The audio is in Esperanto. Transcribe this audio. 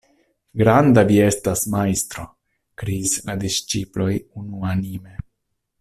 "Granda vi estas majstro!" Kriis la disĉiploj unuanime.